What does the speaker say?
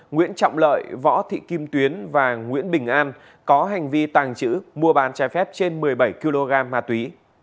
nguyễn trọng lợi võ thị kim tuyến và nguyễn bình an có hành vi tàng trữ mua bán trái phép trên một mươi bảy kg ma túy